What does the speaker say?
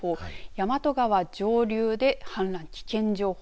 大和川上流で氾濫危険情報。